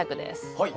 はい。